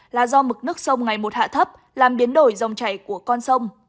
là do mực nước sông ngày một hạ thấp làm biến đổi dòng chảy của con sông